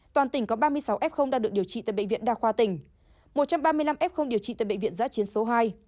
toàn tỉnh có ba mươi sáu f đang được điều trị tại bệnh viện đa khoa tỉnh một trăm ba mươi năm f điều trị tại bệnh viện giã chiến số hai